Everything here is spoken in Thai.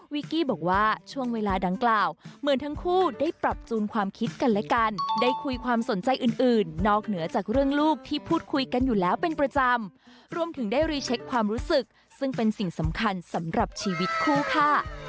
กี้บอกว่าช่วงเวลาดังกล่าวเหมือนทั้งคู่ได้ปรับจูนความคิดกันและกันได้คุยความสนใจอื่นนอกเหนือจากเรื่องลูกที่พูดคุยกันอยู่แล้วเป็นประจำรวมถึงได้รีเช็คความรู้สึกซึ่งเป็นสิ่งสำคัญสำหรับชีวิตคู่ค่ะ